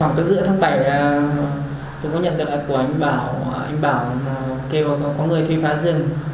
khoảng giữa tháng bảy tôi có nhận được ảnh của anh bảo anh bảo kêu có người thuê phá rừng